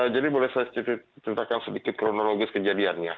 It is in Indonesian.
jadi boleh saya ceritakan sedikit kronologis kejadiannya